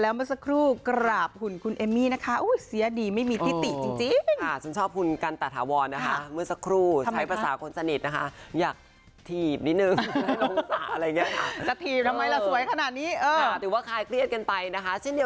เอมมี่นะคะอุ้ยเสียดีไม่มีทิติจริงชมชอบคุณกันตะถาวรนะคะเมื่อสักครู่ใช้ภาษาคนสนิทนะคะอยากถีบนิดนึงลงสระอะไรอย่างเงี้ยจะถีบทำไมล่ะสวยขนาดนี้ถือว่าคล้ายเกลียดกันไปนะคะ